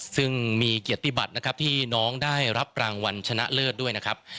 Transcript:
ซึ่งมีเกียรติบัตินะครับที่น้องได้รับรางวัลชนะเลิศด้วยนะครับ